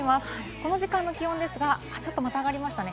この時間の気温ですが、ちょっとまた上がりましたね。